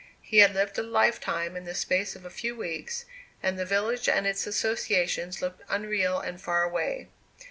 He had lived a lifetime in the space of a few weeks, and the village and its associations looked unreal and far away.